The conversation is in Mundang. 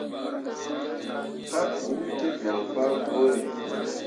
Papou te joŋ fah gwǝǝre.